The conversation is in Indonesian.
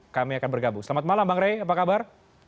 kami akan bergabung selamat malam bang rey apa kabar